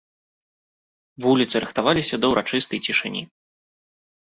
Вуліцы рыхтаваліся да ўрачыстай цішыні.